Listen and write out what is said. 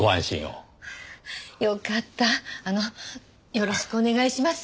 よろしくお願いします。